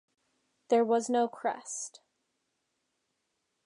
There was no crest.